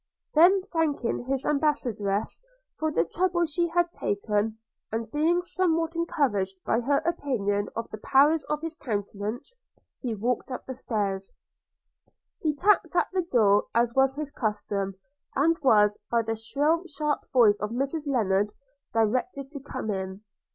Then, thanking his ambassadress for the trouble she had taken, and being somewhat encouraged by her opinion of the powers of his countenance, he walked up stairs. He tapped at the door, as was his custom; and was, by the shrill sharp voice of Mrs Lennard, directed to come in.